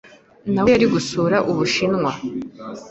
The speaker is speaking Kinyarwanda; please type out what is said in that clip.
Na we, yari gusura Ubushinwa.